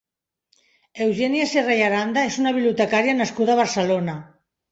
Eugènia Serra i Aranda és una bibliotecària nascuda a Barcelona.